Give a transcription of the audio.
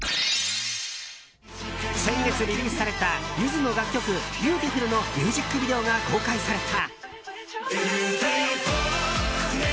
先月、リリースされたゆずの楽曲「ビューティフル」のミュージックビデオが公開された。